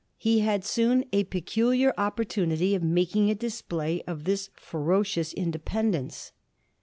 He had soon a peculiar opportunity of making a display of this ferocious independence.